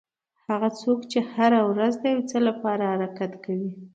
هغه څوک چې هره ورځ د یو څه لپاره حرکت کوي.